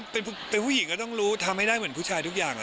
เป็นผู้หญิงก็ต้องรู้ทำให้ได้เหมือนผู้ชายทุกอย่าง